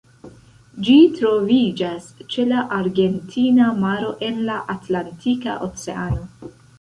Ĝi troviĝas ĉe la Argentina Maro en la Atlantika Oceano.